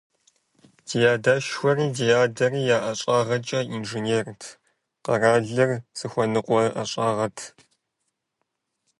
Ди адэшхуэри, ди адэри я ӀэщӀагъэкӀэ инженерт, къэралыр зыхуэныкъуэ ӀэщӀагъэт.